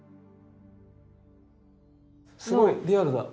すごいリアルだ。